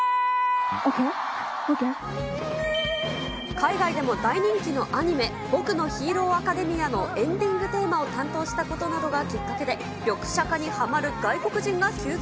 海外でも大人気のアニメ、僕のヒーローアカデミアのエンディングテーマを担当したことなどがきっかけで、リョクシャカにハマる外国人が急増。